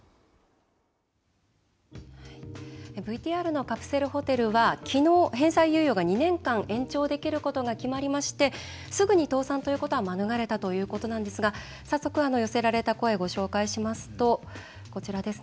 ＶＴＲのカプセルホテルはきのう返済猶予が２年間延長できることが決まりましてすぐに倒産ということは免れたということなんですが早速、寄せられた声をご紹介しますと、こちらです。